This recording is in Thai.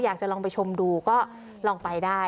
อยากจะลองไปชมดูก็ลองไปได้